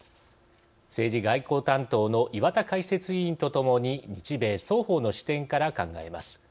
政治・外交担当の岩田解説委員とともに日米双方の視点から考えます。